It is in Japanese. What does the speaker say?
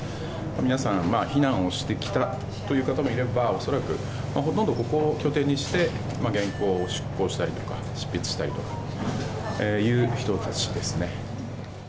皆さん、避難をしてきたという方もいれば恐らくほとんどここを拠点にして原稿を出稿したりとか執筆したりという人たちですね。